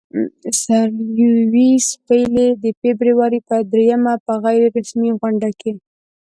سر لیویس پیلي د فبرورۍ پر دریمه په غیر رسمي غونډه کې.